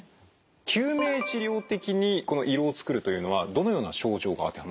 救命治療的にこの胃ろうを作るというのはどのような症状が当てはまりますか？